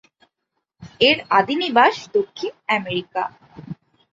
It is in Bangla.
এর আদি নিবাস দক্ষিণ আমেরিকা।